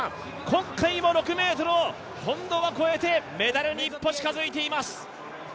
今回も６ｍを、今度は超えてメダルに一歩近づいています。